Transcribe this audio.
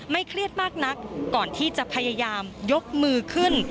เครียดมากนักก่อนที่จะพยายามยกมือขึ้น